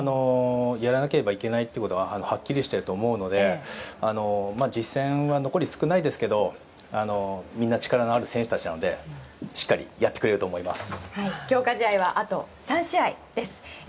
やらなければいけないことははっきりしていると思うので実戦は残り少ないですがみんな力のある選手たちなのでしっかりやってくれると思います。